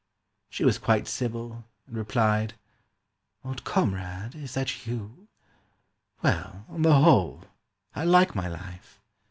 She was quite civil, and replied, "Old comrade, is that you? Well, on the whole, I like my life.